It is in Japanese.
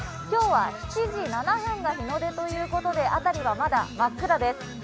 今日は７時７分が日の出ということで辺りはまだ真っ暗です。